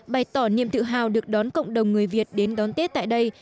bày tỏ niềm tự hào được đón cộng đồng người việt đến đón tết tại đây